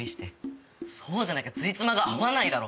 そうじゃなきゃつじつまが合わないだろ。